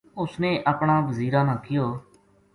اُس نے اپنا وزیراں نا کہیو